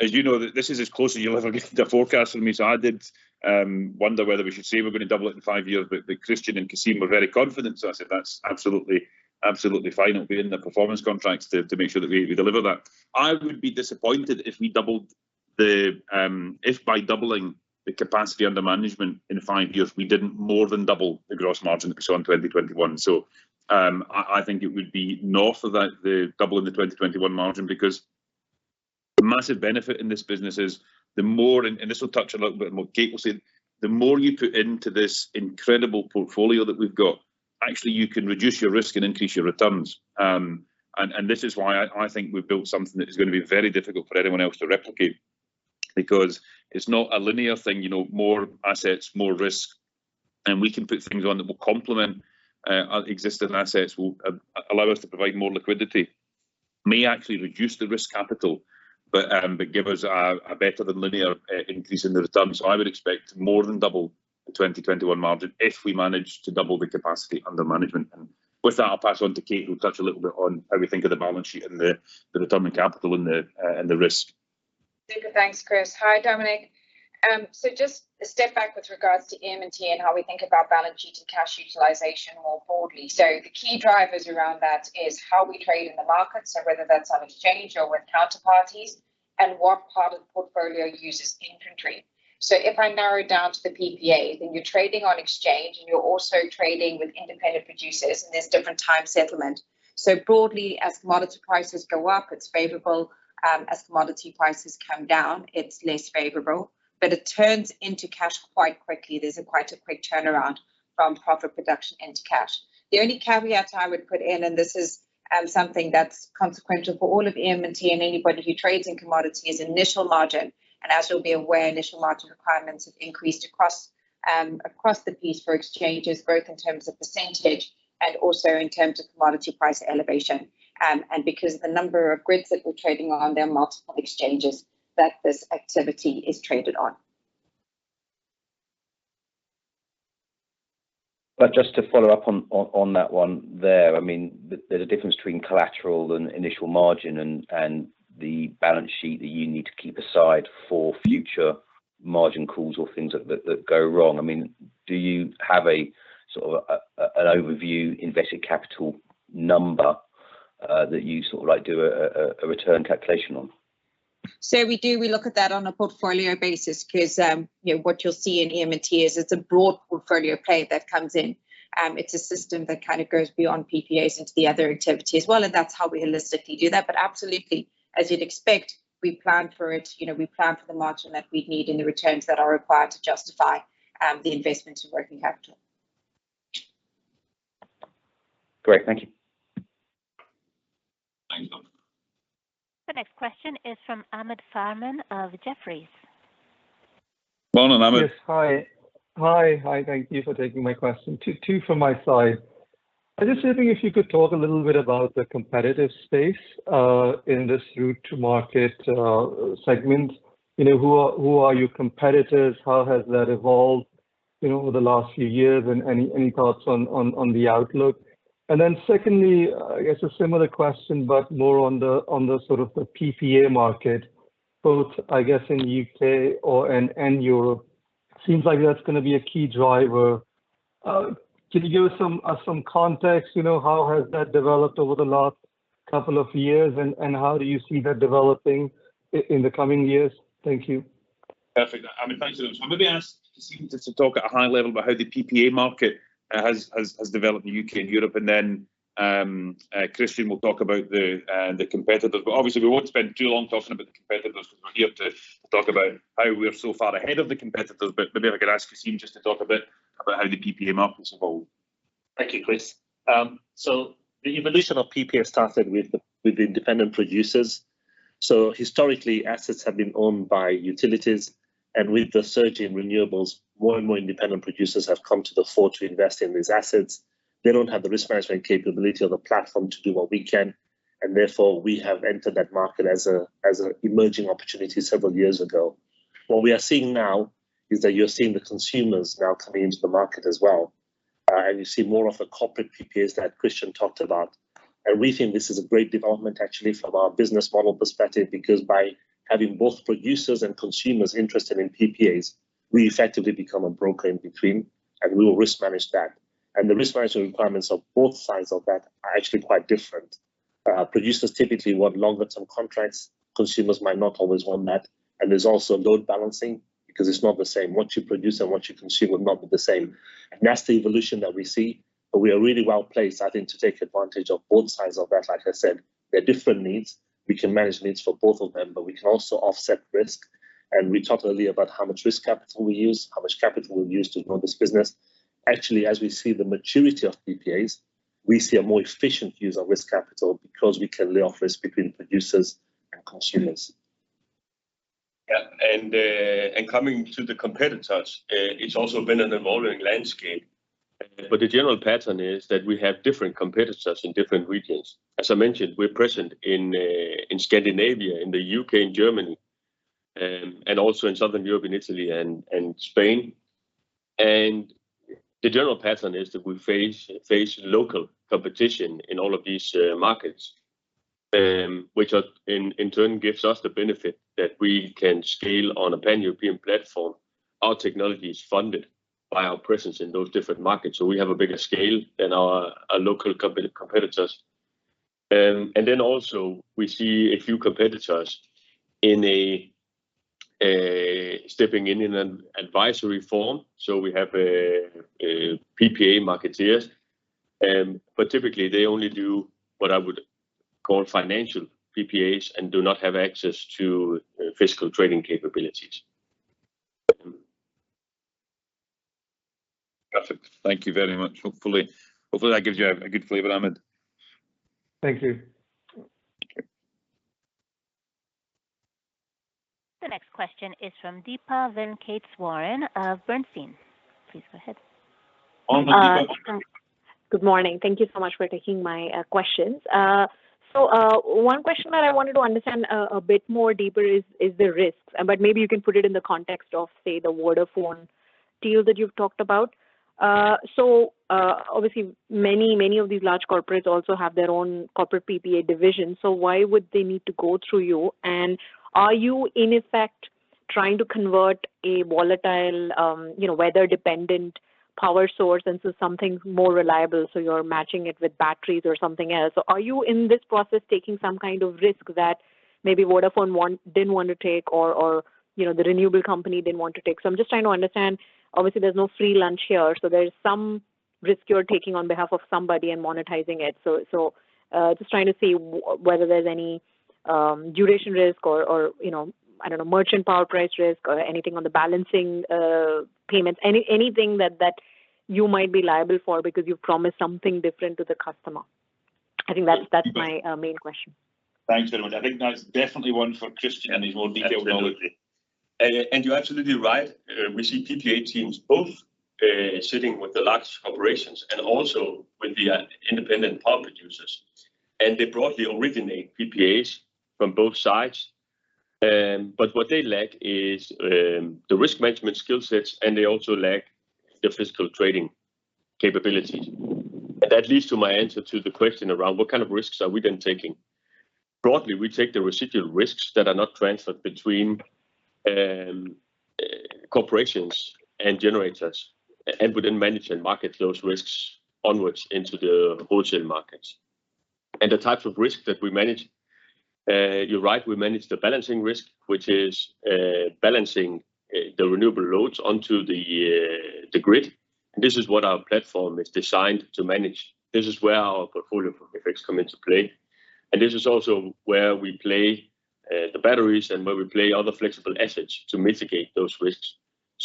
Speaker 1: as you know, this is as close as you'll ever get a forecast from me, I did wonder whether we should say we're gonna double it in 5 years, but Kristian and Cassim were very confident, I said, "That's absolutely fine. It'll be in the performance contracts to make sure that we deliver that." I would be disappointed if we doubled the, if by doubling the capacity under management in 5 years we didn't more than double the gross margin we saw in 2021. I think it would be north of that, the double in the 2021 margin because the massive benefit in this business is the more, and this will touch a little bit on what Kate will say, the more you put into this incredible portfolio that we've got, actually you can reduce your risk and increase your returns. This is why I think we've built something that is gonna be very difficult for anyone else to replicate because it's not a linear thing, you know, more assets, more risk, and we can put things on that will complement existing assets, will allow us to provide more liquidity. May actually reduce the risk capital, but give us a better than linear increase in the returns. I would expect more than double the 2021 margin if we manage to double the capacity under management. With that, I'll pass on to Kate, who'll touch a little bit on how we think of the balance sheet and the return on capital and the risk.
Speaker 9: Super. Thanks, Chris. Hi, Dominic. Just a step back with regards to M&T and how we think about balance sheet and cash utilization more broadly. The key drivers around that is how we trade in the market, so whether that's on exchange or with counterparties and what part of the portfolio uses in-country. If I narrow it down to the PPA, then you're trading on exchange, and you're also trading with independent power producers, and there's different time settlement. Broadly, as commodity prices go up, it's favorable. As commodity prices come down, it's less favorable, but it turns into cash quite quickly. There's a quite a quick turnaround from profit production into cash. The only caveat I would put in, and this is, something that's consequential for all of M&T and anybody who trades in commodity is initial margin. As you'll be aware, initial margin requirements have increased across the piece for exchanges, both in terms of percentage and also in terms of commodity price elevation. Because of the number of grids that we're trading on, there are multiple exchanges that this activity is traded on.
Speaker 8: Just to follow up on that one there, I mean, there's a difference between collateral and initial margin and the balance sheet that you need to keep aside for future margin calls or things that go wrong. I mean, do you have a sort of an overview invested capital number that you sort of like do a return calculation on?
Speaker 9: We do. We look at that on a portfolio basis 'cause, you know, what you'll see in M&T is it's a broad portfolio play that comes in. It's a system that kind of goes beyond PPAs into the other activity as well, and that's how we holistically do that. Absolutely, as you'd expect, we plan for it. You know, we plan for the margin that we'd need and the returns that are required to justify the investment in working capital.
Speaker 8: Great. Thank you.
Speaker 1: Thanks, Dom.
Speaker 4: The next question is from Ahmed Farman of Jefferies.
Speaker 1: Morning, Ahmed.
Speaker 10: Yes. Hi. Hi. Hi, thank you for taking my question. Two from my side. I was just wondering if you could talk a little bit about the competitive space in this route-to-market segment. You know, who are your competitors? How has that evolved, you know, over the last few years? Any thoughts on the outlook? Secondly, I guess a similar question, but more on the sort of the PPA market, both I guess in U.K. or in, and Europe. Seems like that's gonna be a key driver. Can you give us some context, you know, how has that developed over the last couple of years, and how do you see that developing in the coming years? Thank you.
Speaker 1: Perfect. Ahmed, thanks for those. I'm gonna be asking Cassim just to talk at a high level about how the PPA market has developed in U.K. and Europe, and then Kristian will talk about the competitors. Obviously we won't spend too long talking about the competitors 'cause we're here to talk about how we are so far ahead of the competitors. Maybe if I could ask Cassim just to talk a bit about how the PPA market has evolved.
Speaker 2: Thank you, Chris. The evolution of PPA started with independent producers. Historically, assets have been owned by utilities. With the surge in renewables, more and more independent producers have come to the fore to invest in these assets. They don't have the risk management capability or the platform to do what we can, therefore, we have entered that market as an emerging opportunity several years ago. What we are seeing now is that you're seeing the consumers now coming into the market as well, and you see more of the Corporate PPAs that Kristian talked about. We think this is a great development actually from our business model perspective, because by having both producers and consumers interested in PPAs, we effectively become a broker in between, and we will risk manage that. The risk management requirements of both sides of that are actually quite different. Producers typically want longer term contracts. Consumers might not always want that. There's also load balancing because it's not the same. What you produce and what you consume are not the same. That's the evolution that we see. We are really well-placed, I think, to take advantage of both sides of that. Like I said, there are different needs. We can manage needs for both of them, but we can also offset risk. We talked earlier about how much risk capital we use, how much capital we use to grow this business. Actually, as we see the maturity of PPAs, we see a more efficient use of risk capital because we can lay off risk between producers and consumers.
Speaker 3: Yeah. Coming to the competitors, it's also been an evolving landscape. The general pattern is that we have different competitors in different regions. As I mentioned, we're present in Scandinavia, in the U.K., in Germany, and also in Southern Europe, in Italy and Spain. The general pattern is that we face local competition in all of these markets, which in turn gives us the benefit that we can scale on a pan-European platform. Our technology is funded by our presence in those different markets, we have a bigger scale than our local competitors. Also we see a few competitors stepping in an advisory form. We have a PPA marketeers, but typically they only do what I would call financial PPAs and do not have access to physical trading capabilities. Perfect. Thank you very much. Hopefully that gives you a good flavor, Ahmed.
Speaker 10: Thank you.
Speaker 4: The next question is from Deepa Venkateswaran of Bernstein. Please go ahead.
Speaker 1: Hi, Deepa.
Speaker 11: Good morning. Thank you so much for taking my questions. One question that I wanted to understand a bit more deeper is the risks, but maybe you can put it in the context of, say, the Vodafone deal that you've talked about. Obviously many, many of these large corporates also have their own corporate PPA division. Why would they need to go through you? Are you in effect trying to convert a volatile, you know, weather-dependent power source into something more reliable, so you're matching it with batteries or something else? Are you in this process taking some kind of risk that maybe Vodafone didn't want to take or, you know, the renewable company didn't want to take? I'm just trying to understand. There's no free lunch here, so there's some risk you're taking on behalf of somebody and monetizing it. Just trying to see whether there's any duration risk or, you know, I don't know, merchant power price risk or anything on the balancing payments? Anything that you might be liable for because you've promised something different to the customer? I think that's my main question.
Speaker 1: Thanks very much. I think that's definitely one for Kristian. He's more detailed on it.
Speaker 11: Absolutely.
Speaker 3: You're absolutely right. We see PPA teams both sitting with the large corporations and also with the independent power producers. They broadly originate PPAs from both sides. What they lack is the risk management skill sets, and they also lack the physical trading capabilities. That leads to my answer to the question around what kind of risks are we then taking. Broadly, we take the residual risks that are not transferred between corporations and generators, and we then manage and market those risks onwards into the wholesale markets. The types of risk that we manage, you're right, we manage the balancing risk, which is balancing the renewable loads onto the grid. This is what our platform is designed to manage. This is where our portfolio effects come into play. This is also where we play the batteries and where we play other flexible assets to mitigate those risks.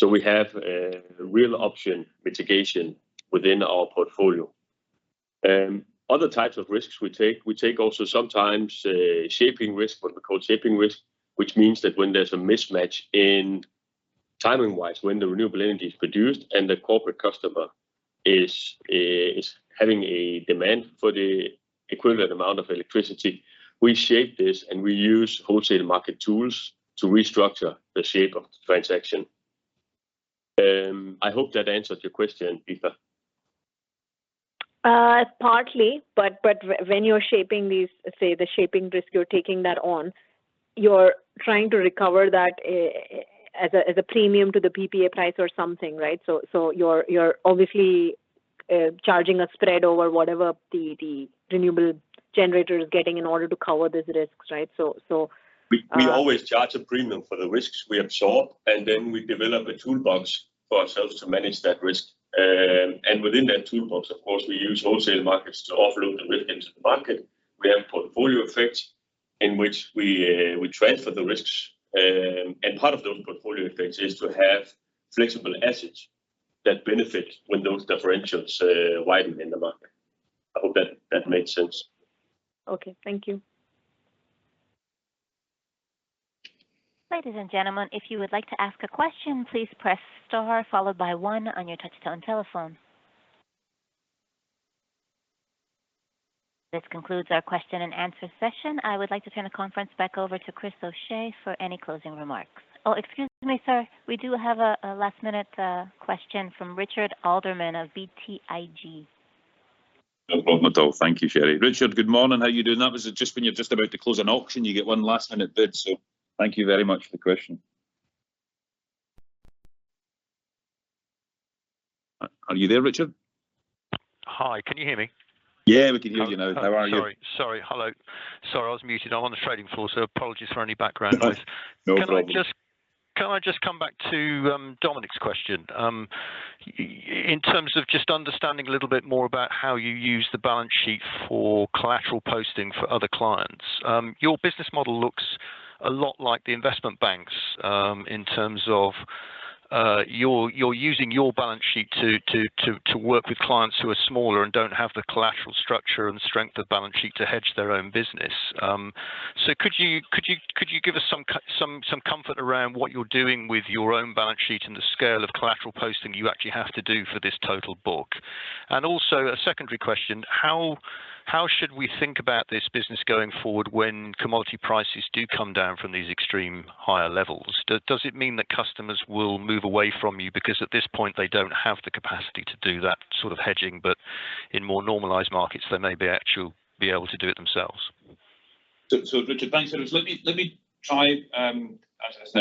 Speaker 3: We have a real option mitigation within our portfolio. Other types of risks we take, we take also sometimes shaping risk, what we call shaping risk, which means that when there's a mismatch in timing-wise, when the renewable energy is produced and the corporate customer is having a demand for the equivalent amount of electricity, we shape this and we use wholesale market tools to restructure the shape of the transaction. I hope that answers your question, Deepa.
Speaker 11: Partly, but when you're shaping these the shaping risk, you're taking that on. You're trying to recover that as a premium to the PPA price or something, right? You're obviously charging a spread over whatever the renewable generator is getting in order to cover these risks, right?
Speaker 3: We always charge a premium for the risks we absorb, and then we develop a toolbox for ourselves to manage that risk. Within that toolbox, of course, we use wholesale markets to offload the risk into the market. We have portfolio effects In which we transfer the risks, and part of those portfolio effects is to have flexible assets that benefit when those differentials widen in the market. I hope that made sense.
Speaker 11: Okay. Thank you.
Speaker 4: Ladies and gentlemen, if you would like to ask a question, please press star followed by one on your touch-tone telephone. This concludes our question-and-answer session. I would like to turn the conference back over to Chris O'Shea for any closing remarks. Oh, excuse me, sir. We do have a last-minute question from Richard Alderman of BTIG.
Speaker 1: No problem at all. Thank you, Sherry. Richard, good morning. How you doing? That was it just when you're just about to close an auction, you get one last-minute bid. Thank you very much for the question. Are you there, Richard?
Speaker 12: Hi. Can you hear me?
Speaker 1: Yeah, we can hear you now. How are you?
Speaker 12: Oh, sorry. Sorry. Hello. Sorry, I was muted. I'm on the trading floor, so apologies for any background noise.
Speaker 1: No problem.
Speaker 12: Can I just come back to Dominic's question? In terms of just understanding a little bit more about how you use the balance sheet for collateral posting for other clients. Your business model looks a lot like the investment banks, in terms of, you're using your balance sheet to work with clients who are smaller and don't have the collateral structure and strength of balance sheet to hedge their own business. So could you give us some comfort around what you're doing with your own balance sheet and the scale of collateral posting you actually have to do for this total book? Also a secondary question. How should we think about this business going forward when commodity prices do come down from these extreme higher levels? Does it mean that customers will move away from you because at this point they don't have the capacity to do that sort of hedging, but in more normalized markets they may be actually be able to do it themselves?
Speaker 1: Richard, thanks very much. Let me try and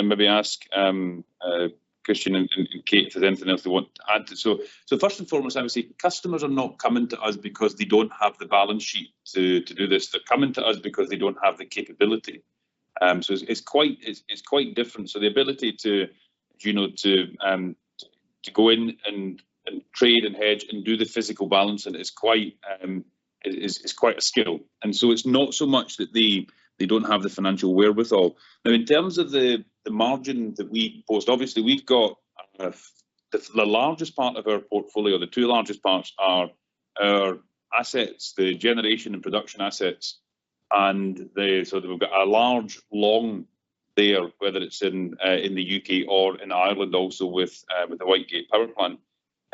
Speaker 1: maybe ask Kristian and Kate if there's anything else they want to add to it. First and foremost, obviously, customers are not coming to us because they don't have the balance sheet to do this. They're coming to us because they don't have the capability. It's quite, it's quite different. The ability to, you know, to go in and trade and hedge and do the physical balancing is quite a skill. It's not so much that they don't have the financial wherewithal. Now, in terms of the margin that we post, obviously we've got the largest part of our portfolio, the two largest parts are our assets, the generation and production assets. We've got a large long there, whether it's in the U.K. or in Ireland also with the Whitegate Power Plant.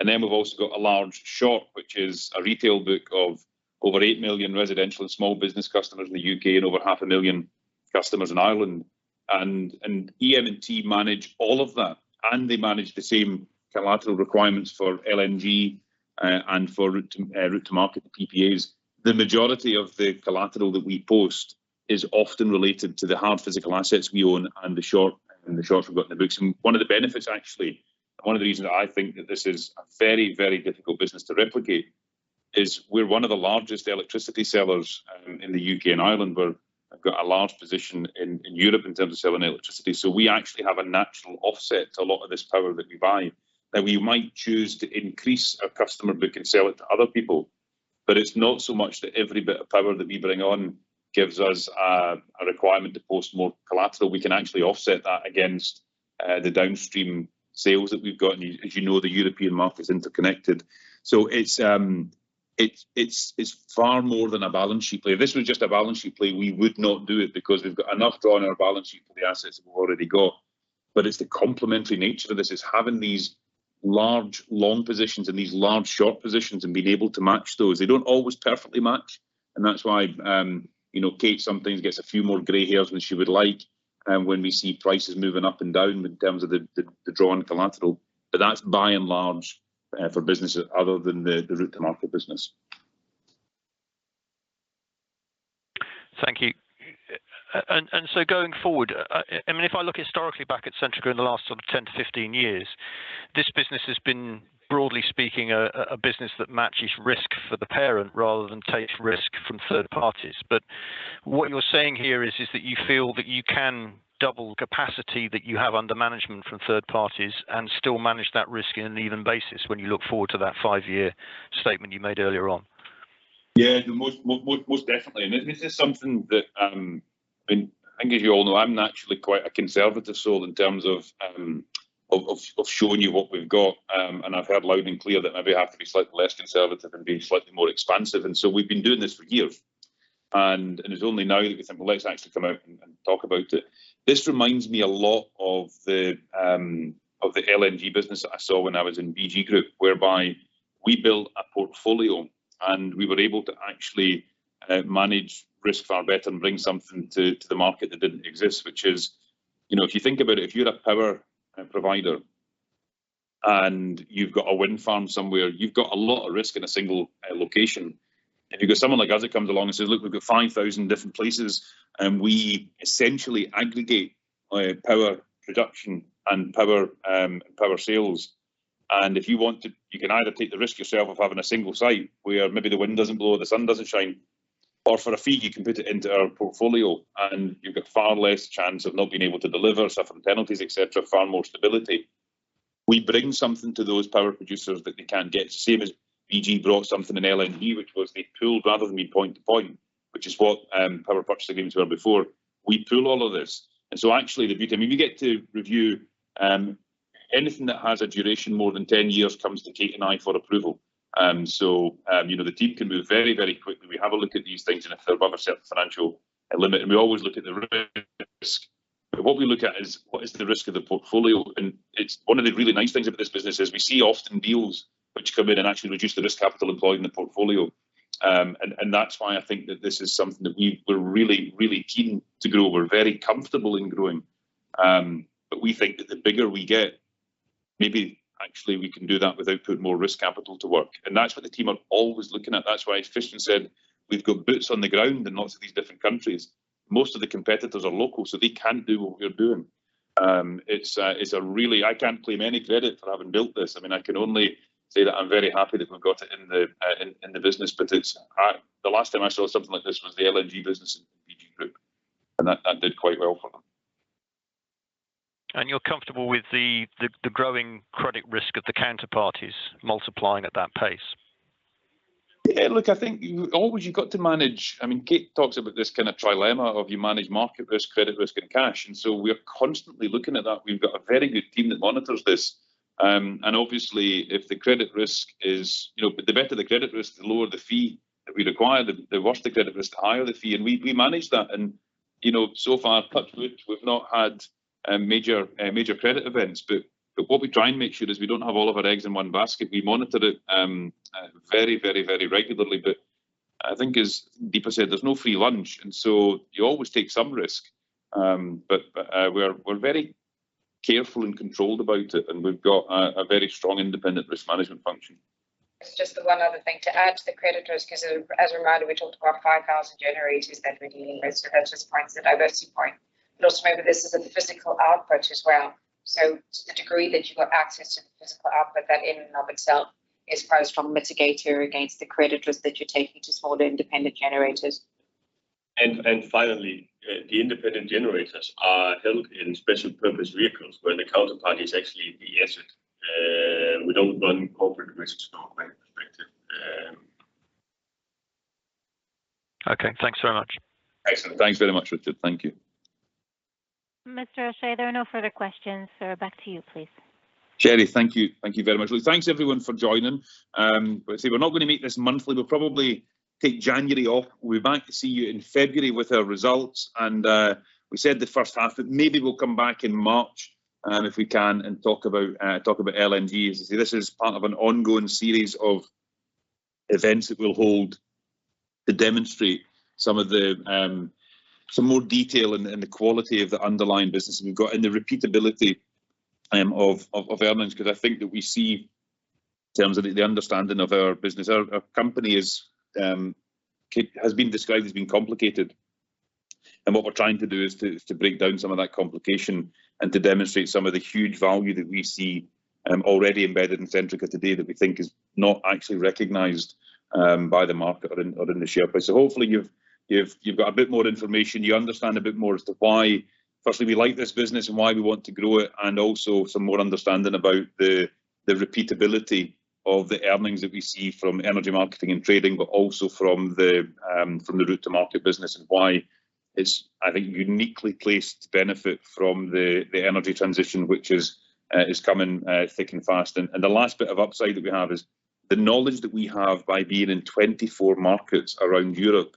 Speaker 1: Then we've also got a large short, which is a retail book of over 8 million residential and small business customers in the U.K. and over half a million customers in Ireland. EM&T manage all of that, and they manage the same collateral requirements for LNG and for route-to-market PPAs. The majority of the collateral that we post is often related to the hard physical assets we own and the shorts we've got in the books. One of the benefits actually, one of the reasons I think that this is a very, very difficult business to replicate is we're one of the largest electricity sellers in the U.K. and Ireland, where I've got a large position in Europe in terms of selling electricity. We actually have a natural offset to a lot of this power that we buy that we might choose to increase our customer book and sell it to other people. It's not so much that every bit of power that we bring on gives us a requirement to post more collateral. We can actually offset that against the downstream sales that we've got. As you know, the European market is interconnected. It's, it's far more than a balance sheet play. If this was just a balance sheet play, we would not do it because we've got enough to on our balance sheet for the assets that we've already got. It's the complementary nature of this is having these large long positions and these large short positions and being able to match those. They don't always perfectly match, and that's why, you know, Kate sometimes gets a few more gray hairs than she would like, when we see prices moving up and down in terms of the draw on collateral. That's by and large for businesses other than the route-to-market business.
Speaker 12: Thank you. Going forward, I mean, if I look historically back at Centrica in the last sort of 10 to 15 years, this business has been, broadly speaking, a business that matches risk for the parent rather than takes risk from third parties. What you're saying here is that you feel that you can double capacity that you have under management from third parties and still manage that risk in an even basis when you look forward to that 5-year statement you made earlier on.
Speaker 1: Yeah, most definitely. This is something that, I mean, I think as you all know, I'm naturally quite a conservative soul in terms of showing you what we've got. I've heard loud and clear that maybe I have to be slightly less conservative and be slightly more expansive. We've been doing this for years. It's only now that we think, well, let's actually come out and talk about it. This reminds me a lot of the LNG business that I saw when I was in BG Group, whereby we built a portfolio, and we were able to actually manage risk far better and bring something to the market that didn't exist, which is, you know, if you think about it, if you're a power provider and you've got a wind farm somewhere, you've got a lot of risk in a single location. If you've got someone like us that comes along and says, "Look, we've got 5,000 different places," and we essentially aggregate power production and power sales. If you want to, you can either take the risk yourself of having a single site where maybe the wind doesn't blow or the sun doesn't shine, or for a fee you can put it into our portfolio, and you've got far less chance of not being able to deliver, suffer from penalties, et cetera, far more stability. We bring something to those power producers that they can't get. Same as BG brought something in LNG, which was they pooled rather than being point to point, which is what Power Purchase Agreements were before. We pool all of this. Actually the beauty, I mean, we get to review anything that has a duration more than 10 years comes to Kate and I for approval. You know, the team can move very, very quickly. We have a look at these things and if they're above a certain financial limit, and we always look at the risk. What we look at is what is the risk of the portfolio? It's one of the really nice things about this business is we see often deals which come in and actually reduce the risk capital employed in the portfolio. That's why I think that this is something that we're really, really keen to grow. We're very comfortable in growing. We think that the bigger we get, maybe actually we can do that without putting more risk capital to work. That's what the team are always looking at. That's why Kristian said we've got boots on the ground in lots of these different countries. Most of the competitors are local, so they can't do what we're doing. It's a really. I can't claim any credit for having built this. I mean, I can only say that I'm very happy that we've got it in the business. It's hard. The last time I saw something like this was the LNG business in BG Group. That did quite well for them.
Speaker 12: You're comfortable with the growing credit risk of the counterparties multiplying at that pace?
Speaker 1: Yeah, look, I think you always, you've got to manage. I mean, Kate Ringrose talks about this kind of trilemma of you manage market risk, credit risk, and cash. We are constantly looking at that. We've got a very good team that monitors this. Obviously if the credit risk is, you know, the better the credit risk, the lower the fee that we require. The worse the credit risk, the higher the fee. We manage that and, you know, so far, touch wood, we've not had major credit events. What we try and make sure is we don't have all of our eggs in one basket. We monitor it very, very, very regularly. I think as Deepa Venkateswaran said, there's no free lunch, and so you always take some risk. We're very careful and controlled about it and we've got a very strong independent risk management function.
Speaker 9: It's just the one other thing to add to the credit risk, 'cause, as a reminder, we talked about 5,000 generators that we're dealing with. That just points to diversity point. Also maybe this is a physical output as well. To the degree that you've got access to the physical output, that in and of itself is quite a strong mitigator against the credit risk that you're taking to small the independent generators.
Speaker 1: Finally, the independent generators are held in special purpose vehicles where the counterparty is actually the asset. We don't run corporate risks from that perspective.
Speaker 12: Okay. Thanks very much.
Speaker 1: Excellent. Thanks very much, Richard. Thank you.
Speaker 4: Mr. O'Shea, there are no further questions, so back to you, please.
Speaker 1: Sherry, thank you. Thank you very much. Look, thanks everyone for joining. See, we're not gonna meet this monthly. We'll probably take January off. We'll be back to see you in February with our results and we said the first half, but maybe we'll come back in March, if we can, and talk about LNG. I say, this is part of an ongoing series of events that we'll hold to demonstrate some of the, some more detail in the, in the quality of the underlying business that we've got and the repeatability of earnings, because I think that we see in terms of the understanding of our business. Our company has been described as being complicated, and what we're trying to do is to break down some of that complication and to demonstrate some of the huge value that we see already embedded in Centrica today that we think is not actually recognized by the market or in, or in the share price. Hopefully you've got a bit more information, you understand a bit more as to why firstly we like this business and why we want to grow it, and also some more understanding about the repeatability of the earnings that we see from Energy Marketing and Trading, but also from the route-to-market business and why it's, I think, uniquely placed to benefit from the energy transition, which is coming thick and fast. The last bit of upside that we have is the knowledge that we have by being in 24 markets around Europe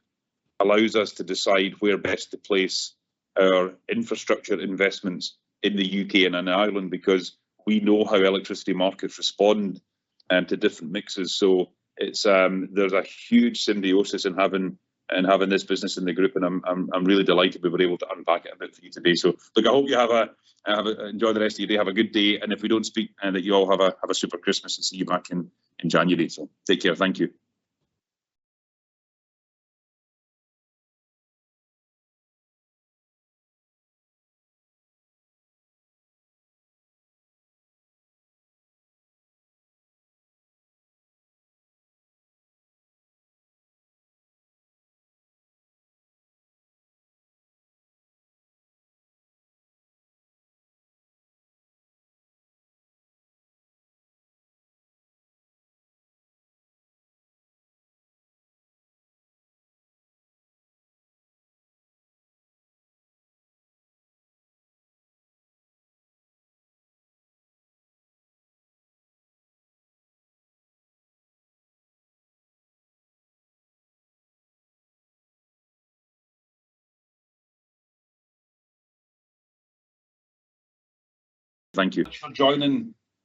Speaker 1: allows us to decide where best to place our infrastructure investments in the U.K. and in Ireland because we know how electricity markets respond to different mixes. It's, there's a huge symbiosis in having this business in the group and I'm really delighted we were able to unpack it a bit for you today. Look, I hope you enjoy the rest of your day, have a good day, and if we don't speak, that you all have a super Christmas and see you back in January. Take care. Thank you. Thank you for joining